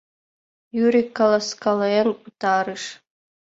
Юрик каласкален пытарыш.